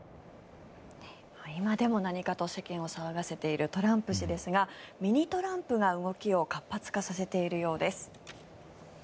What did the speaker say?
今でも何かと世間を騒がせているトランプ氏ですがミニ・トランプが動きを活発化させているようです。